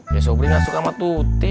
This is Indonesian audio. ya sobri gak suka sama tuti